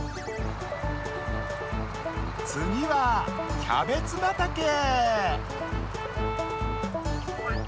つぎはキャベツばたけ。